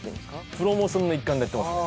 プロモーションの一環でやってますね